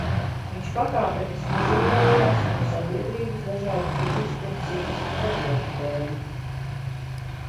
Viņš pakāpeniski izolējās no sabiedrības dažādu fizisku un psihisku problēmu dēļ.